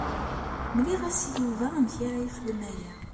Mliɣ-as i Yuba amek ara yexdem aya.